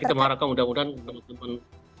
kita mengharapkan mudah mudahan teman teman